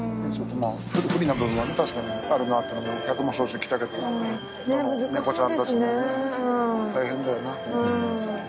不利な部分は確かにあるなっていうのも、百も承知で来たけど、猫ちゃんたちもね、大変だよな。